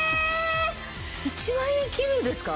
１万円切るんですか？